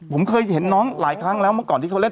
ผมเคยเห็นน้องหลายครั้งแล้วเมื่อก่อนที่เขาเล่น